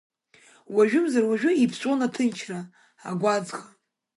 Уажәымзар-уажәы иԥҵәон аҭынчра агәаҵӷа.